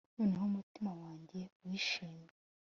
Noneho umutima wanjye wishimye